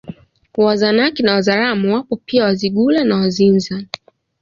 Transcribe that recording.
Wazanaki na Wazaramo wapo pia Wazigula na Wazinza